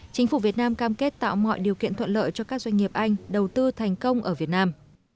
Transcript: chính phủ việt nam cam kết tạo mọi điều kiện thuận lợi cho các doanh nghiệp anh đầu tư thành công ở việt nam